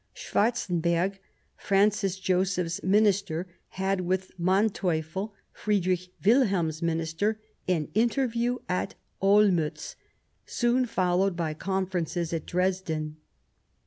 Schwarzenberg, Francis Joseph's Minister, had, with Manteuffel, Friedrich Wilhelm's Minister, an interview at Olmiitz, soon followed by conferences at Dresden.